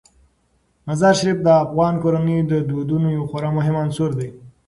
مزارشریف د افغان کورنیو د دودونو یو خورا مهم عنصر دی.